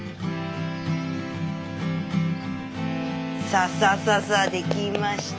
さあさあさあさあできました。